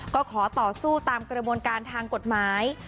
ก็ขอต่อสู้ตามกระบวนการทางกฎหมาย